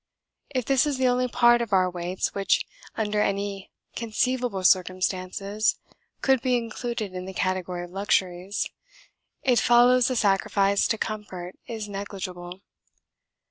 If this is the only part of our weights which under any conceivable circumstances could be included in the category of luxuries, it follows the sacrifice to comfort is negligible.